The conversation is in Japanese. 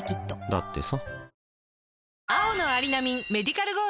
だってさ